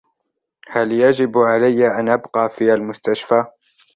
هل يجب علي أن أبقى في المستشفى ؟